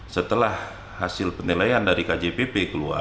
setelah hasil penilaian dari kjpp keluar